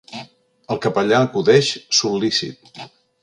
El capellà acudeix, sol·lícit.